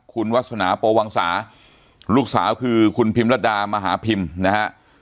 คุณวัฒนาโปวังสาลูกสาวคือคุณพิมรดามหาพิมพ์นะฮะ